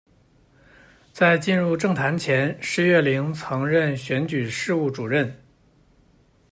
在进入政坛前，施乐灵曾任选举事务主任。